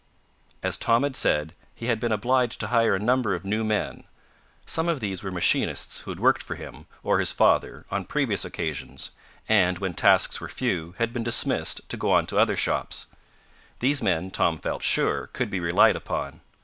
As Tom had said, he had been obliged to hire a number of new men. Some of these were machinists who had worked for him, or his father, on previous occasions, and, when tasks were few, had been dismissed, to go to other shops. These men, Tom felt sure, could be relied upon.